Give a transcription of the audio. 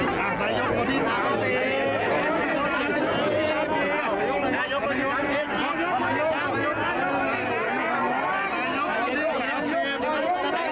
ชาวบ้านเย็น